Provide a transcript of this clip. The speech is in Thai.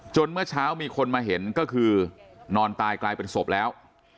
เมื่อเช้ามีคนมาเห็นก็คือนอนตายกลายเป็นศพแล้ว